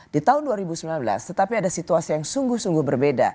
di tahun dua ribu sembilan belas tetapi ada situasi yang sungguh sungguh berbeda